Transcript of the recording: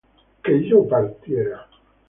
que yo partiera